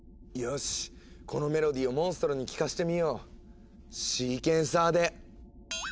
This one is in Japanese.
よしこのメロディーをモンストロに聞かせてみようシーケンサーで！